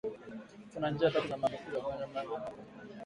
Kuna njia tatu za maambukizi ya ungojwa wa mapele ya ngozi kwa wanyama